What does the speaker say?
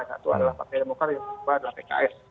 satu adalah partai demokrat yang kedua adalah pks